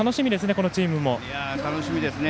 このチームも。楽しみですね。